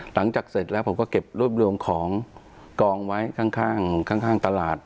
หลังจากเสร็จแล้วผมก็เก็บรวบรวมของกองไว้ข้างข้างตลาด